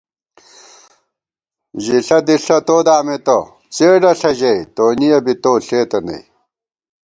ژِݪہ دِݪہ تو دامېتہ څېڈہ ݪہ ژَئی، تونیَہ بی تو ݪېتہ نئ